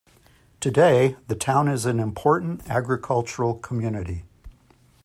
Today, the town is an important agricultural community.